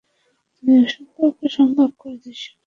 তুমি অসম্ভবকে সম্ভব করে দৃশ্যপট একদম বদলে দিয়েছিলে!